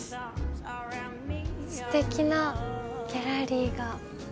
すてきなギャラリーが。